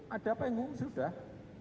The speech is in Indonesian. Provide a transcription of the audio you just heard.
ada penghukum sudah